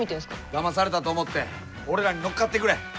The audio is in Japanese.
だまされたと思って俺らに乗っかってくれ！